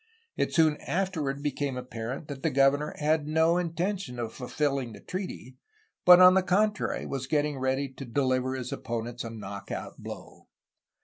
It soon afterward became apparent that the governor had no intention of fulfilling the treaty, but on the contrary was getting ready to deliver his opponents a knock out blow.